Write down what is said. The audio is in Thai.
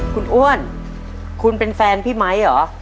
คุณอ้วนคุณเป็นแฟนพี่ไมค์เหรอ